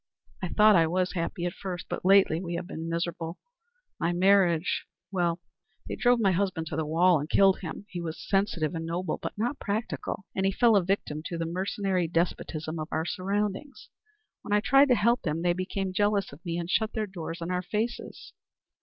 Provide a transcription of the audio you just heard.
I thought I was happy at first, but lately we have been miserable. My marriage er they drove my husband to the wall, and killed him. He was sensitive and noble, but not practical, and he fell a victim to the mercenary despotism of our surroundings. When I tried to help him they became jealous of me, and shut their doors in our faces."